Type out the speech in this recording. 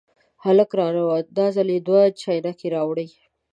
هلک را ننوت، دا ځل یې دوه چاینکې راوړې.